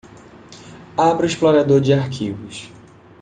Abra o explorador de arquivos.